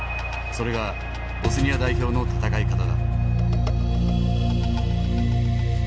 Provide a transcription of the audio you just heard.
それがボスニア代表の戦い方だ。